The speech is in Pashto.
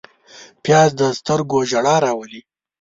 پیاز د سترګو ژړا راولي